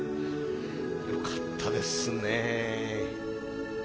よかったですね。